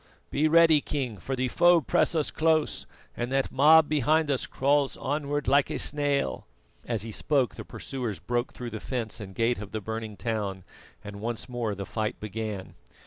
Be ready, king, for the foe press us close, and that mob behind us crawls onward like a snail." As he spoke the pursuers broke through the fence and gate of the burning town, and once more the fight began.